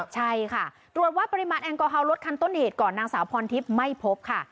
ใช่ค่ะตรวจวัดปริมาณแอลกอฮอลรถคันต้นเหตุก่อนนางสาวพรทิพย์ไม่พบค่ะ